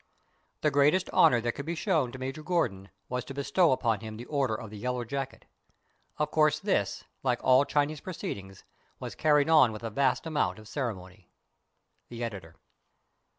The greatest honor that could be shown to Major Gordon was to bestow upon him the order of the Yellow Jacket. Of course this, like all Chinese proceedings, was carried on with a vast amount of ceremony. The Editor.